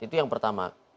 itu yang pertama